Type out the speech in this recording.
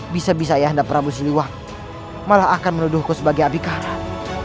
bisa bisa ayah anda prabu siliwamu malah akan menuduhku sebagai abikaran